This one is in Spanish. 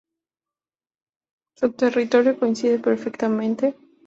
Su territorio coincide perfectamente con el de la suprimida Provincia de Nápoles.